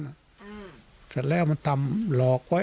เสร็จแล้วมันทำหลอกไว้